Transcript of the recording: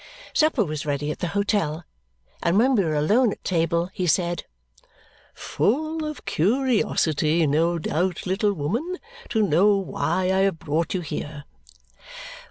Supper was ready at the hotel, and when we were alone at table he said, "Full of curiosity, no doubt, little woman, to know why I have brought you here?"